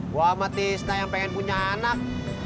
gue sama tista yang pengen punya anak